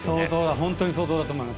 本当に相当だと思います。